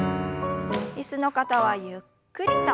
椅子の方はゆっくりと。